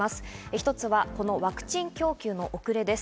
１つはワクチン供給の遅れです。